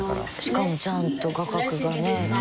しかもちゃんと画角がね